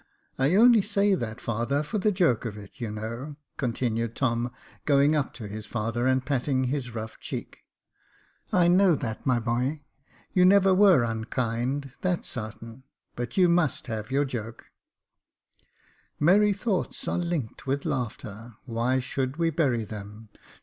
I only say that, father, for the joke of it, you know," con tinued Tom, going up to his father and patting his rough cheek. " I know that, my boy ; you never were unkind, that's sartain j but you must have your joke —" Merry thoughts are link'd with laughter. Why should we bury them